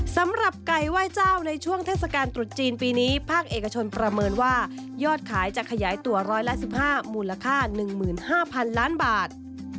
สำหรับไก่ไหว้เจ้าในช่วงเทศกาลตรุษจีนปีนี้ภาคเอกชนประเมินว่ายอดขายจะขยายตัวร้อยละ๑๕มูลค่า๑๕๐๐๐ล้านบาท